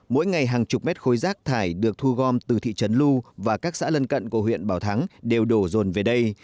mỗi ngày hàng chục mét khối rác thải được thu gom từ thị trấn lu và các xã lân cận của huyện bảo thắng đều đổ rồn về đây